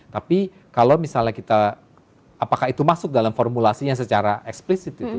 tapi kalau misalnya kita apakah itu masuk dalam formulasinya secara eksplisit gitu